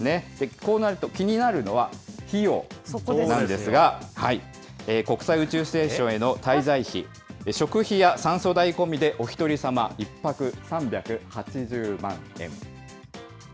こうなると気になるのは、費用なんですが、国際宇宙ステーションへの滞在費、食費や酸素代込みでお１人様１泊３８０万円。